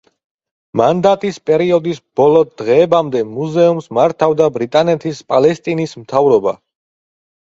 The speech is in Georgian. მანდატის პერიოდის ბოლო დღეებამდე მუზეუმს მართავდა ბრიტანეთის პალესტინის მთავრობა.